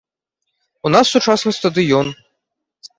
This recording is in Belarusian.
У нас сучасны стадыён.